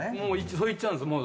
そう言っちゃうんです。